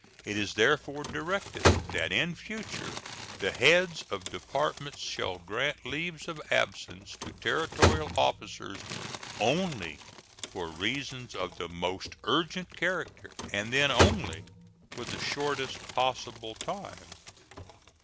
It is therefore directed that in future the heads of Departments shall grant leaves of absence to Territorial officers only for reasons of the most urgent character, and then only for the shortest possible time.